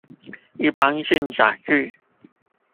一般性載具